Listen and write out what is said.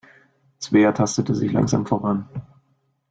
Svea tastet sich langsam voran.